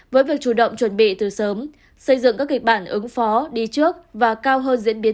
với việc chủ động chuẩn bị từ sớm xây dựng các kịch bản ứng phó đi trước và cao hơn diễn biến